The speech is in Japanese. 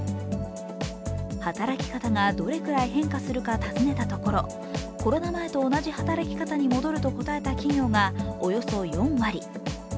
働き方がどれくらい変化するか尋ねたところ、コロナ前と同じ働き方に戻ると答えた企業がおよそ４割。